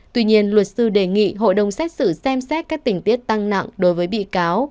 tuy nhiên luật sư đề nghị hội đồng xét xử xem xét các tình tiết tăng nặng đối với bị cáo